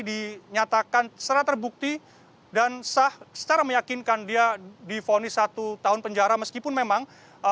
dinyatakan secara terbukti dan sah secara meyakinkan dia difonis satu tahun penjara meskipun memang